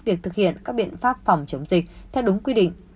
việc thực hiện các biện pháp phòng chống dịch theo đúng quy định